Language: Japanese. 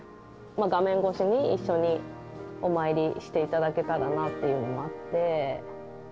画面越しに一緒にお参りしていただけたらなというのもあって。